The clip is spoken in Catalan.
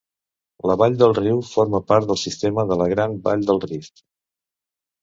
La vall del riu forma part del sistema de la Gran Vall del Rift.